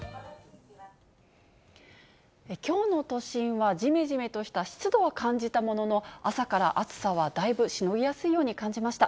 きょうの都心は、じめじめとした湿度は感じたものの、朝から暑さはだいぶしのぎやすいように感じました。